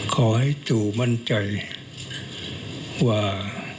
ขอให้จู่มั่นใจว่า